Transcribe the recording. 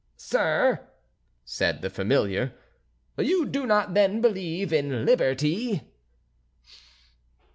"Sir," said the Familiar, "you do not then believe in liberty?"